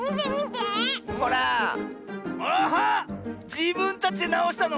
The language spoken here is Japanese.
じぶんたちでなおしたの？